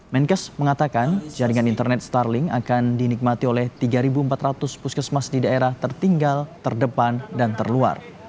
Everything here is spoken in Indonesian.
menkes mengatakan jaringan internet starling akan dinikmati oleh tiga empat ratus puskesmas di daerah tertinggal terdepan dan terluar